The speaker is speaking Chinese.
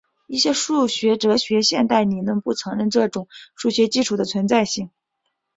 一些数学哲学的现代理论不承认这种数学基础的存在性。